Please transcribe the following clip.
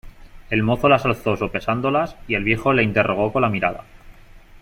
el mozo las alzó sopesándolas , y el viejo le interrogó con la mirada :